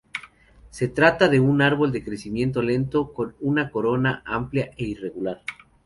Se trata de un árbol de crecimiento lento, con una corona amplia e irregular.